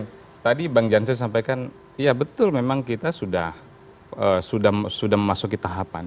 saya mau kembali ke bang jansen sampaikan ya betul memang kita sudah memasuki tahapan